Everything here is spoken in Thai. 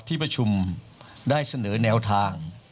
ที่ประชุมได้เสนอแนวทาง